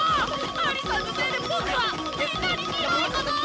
アリさんのせいで僕はみんなにひどいことを！